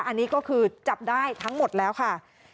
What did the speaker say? อันนี้ก็คือจับได้ทั้งหมดแล้วค่ะ